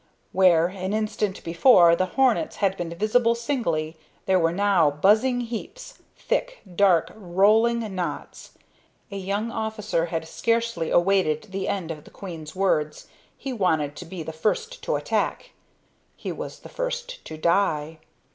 Where, an instant before, the hornets had been visible singly, there were now buzzing heaps, thick, dark, rolling knots. A young officer had scarcely awaited the end of the queen's words. He wanted to be the first to attack. He was the first to die.